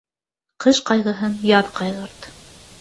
Ҡыш ҡайғыһын яҙ ҡайғырт.